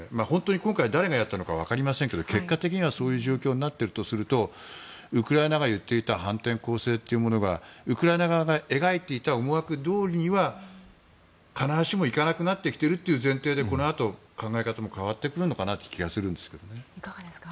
今回、本当に誰がやったか分かりませんが結果的にそういう状況になったとするとウクライナ側が言っていた反転攻勢というものがウクライナ側が描いていた思惑どおりには必ずしもいかなくなってきているという前提で考え方も変わってくるような気がしますね。